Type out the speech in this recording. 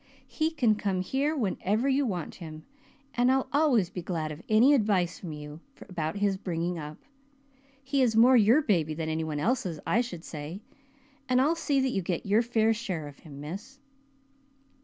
He can come here whenever you want him and I'll always be glad of any advice from you about his bringing up. He is more your baby than anyone else's I should say, and I'll see that you get your fair share of him, miss."